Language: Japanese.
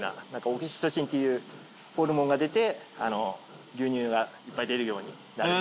オキシトシンっていうホルモンが出て牛乳がいっぱい出るようになる。